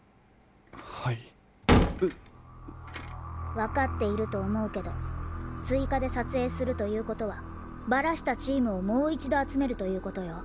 わかっているとおもうけどついかでさつえいするということはバラしたチームをもういちどあつめるということよ。